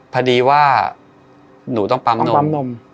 พอดีว่าหนูต้องปั๊มนม